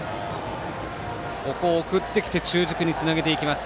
送ってきて中軸につなげていきます。